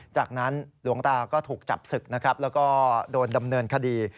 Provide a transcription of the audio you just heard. จากนั้นหลวงตาก็ถูกจับศึกนะครับแล้วก็โดนดำเนินคดี